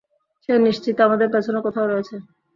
সে নিশ্চিত আমাদের পেছনে কোথাও রয়েছে।